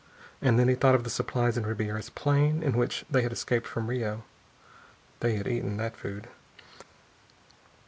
And then he thought of the supplies in Ribiera's plane, in which they had escaped from Rio. They had eaten that food.